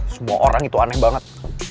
semua orang itu aneh banget